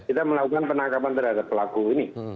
kita melakukan penangkapan terhadap pelaku ini